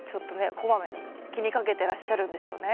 こまめに気にかけてらっしゃるんでしょうね。